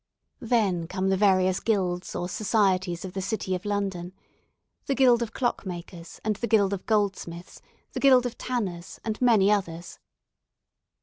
Then come the various Guilds or Societies of the City of London. The Guild of Clockmakers, and the Guild of Goldsmiths, the Guild of Tanners, and many others.